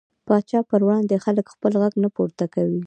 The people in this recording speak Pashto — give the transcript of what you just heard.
پاچا پر وړاندې خلک خپل غږ نه پورته کوي .